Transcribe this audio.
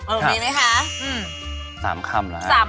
เออมีไหมคะอืม๓คำแล้ว